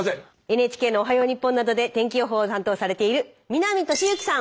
ＮＨＫの「おはよう日本」などで天気予報を担当されている南利幸さん！